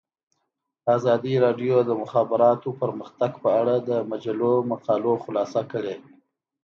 ازادي راډیو د د مخابراتو پرمختګ په اړه د مجلو مقالو خلاصه کړې.